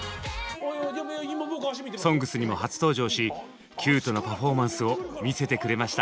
「ＳＯＮＧＳ」にも初登場しキュートなパフォーマンスを見せてくれました。